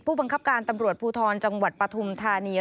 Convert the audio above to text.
บังคับการตำรวจภูทรจังหวัดปฐุมธานี